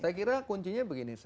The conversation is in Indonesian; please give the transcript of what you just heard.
saya kira kuncinya begini